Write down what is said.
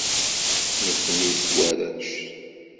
Nekni s warrac.